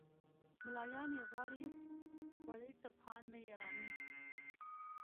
"ملایان یې غواړي خوري سبحان من یرانی".